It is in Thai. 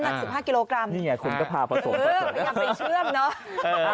กันหลังสิบห้ากิโลกรัมนี่ไงคุณก็พาผสมเออพยายามไปเชื่อมเนอะเออ